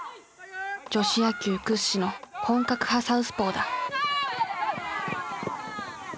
女子野球屈指の本格派サウスポーだ。